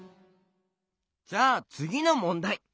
じゃあつぎのもんだい。